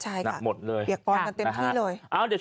ใช่ค่ะเปียกก่อนกันเต็มที่เลย